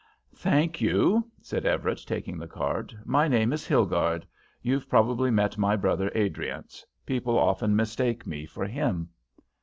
"Thank you," said Everett, taking the card; "my name is Hilgarde. You've probably met my brother, Adriance; people often mistake me for him."